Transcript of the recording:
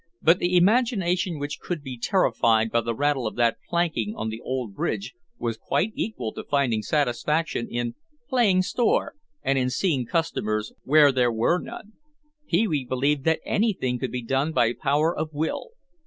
But the imagination which could be terrified by the rattle of that planking on the old bridge was quite equal to finding satisfaction in "playing store" and in seeing customers where there were none. Pee wee believed that anything could be done by power of will.